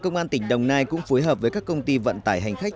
công an tỉnh đồng nai cũng phối hợp với các công ty vận tải hành khách